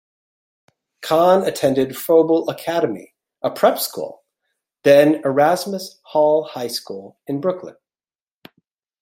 Kahn attended Froebel Academy, a prep school, then Erasmus Hall High School in Brooklyn.